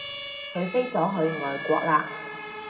佢飛咗去外國喇